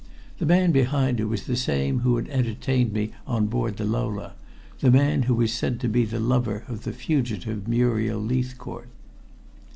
The man behind her was the same who had entertained me on board the Lola the man who was said to be the lover of the fugitive Muriel Leithcourt.